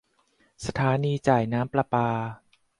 สถานีจ่ายน้ำประปา